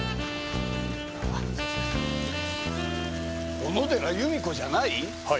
小野寺由美子じゃない！？